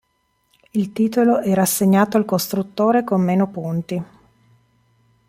Il titolo era assegnato al costruttore con meno punti